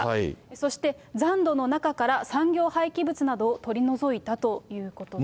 そして残土の中から、産業廃棄物などを取り除いたということです。